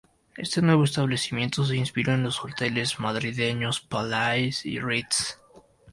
Este nuevo establecimiento se inspiró en los hoteles madrileños Palace y Ritz.